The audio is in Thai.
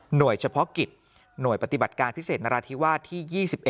โดยเฉพาะกิจหน่วยปฏิบัติการพิเศษนราธิวาสที่๒๑